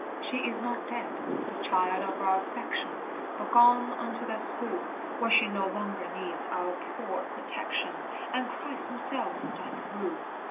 She is not dead, the child of our affection, But gone unto that school Where she no longer needs our poor protection, And Christ himself doth rule.